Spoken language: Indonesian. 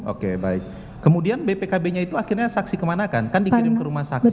oke baik kemudian bpkb nya itu akhirnya saksi kemanakan kan dikirim ke rumah saksi